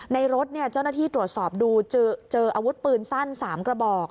ในรถเจ้าหน้าที่ตรวจสอบดูเจออาวุธปืนสั้น๓กระบอก